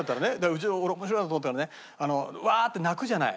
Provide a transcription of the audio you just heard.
うちの俺面白いなと思ったのがねワーッて泣くじゃない？